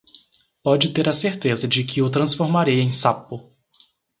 pode ter a certeza de que o transformarei em sapo.